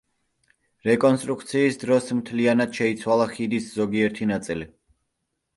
რეკონსტრუქციის დროს მთლიანად შეიცვალა ხიდის ზოგიერთი ნაწილი.